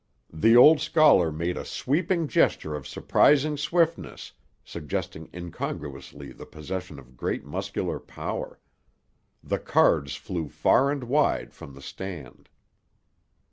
The old scholar made a sweeping gesture of surprising swiftness, suggesting incongruously the possession of great muscular power. The cards flew far and wide, from the stand.